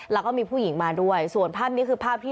แล้วก็มีผู้หญิงมาด้วยส่วนภาพนี้คือภาพที่